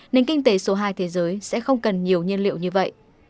nền kinh tế số hai thế giới sẽ không cần nhiều nhân liệu như vậy